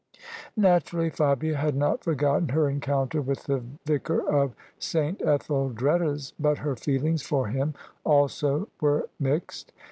Naturally Fabia had not forgotten her encounter with the Vicar of S. Etheldreda's ; but her feelings for him also were mixed.